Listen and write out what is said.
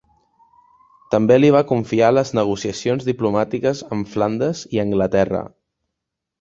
També li va confiar les negociacions diplomàtiques amb Flandes i Anglaterra.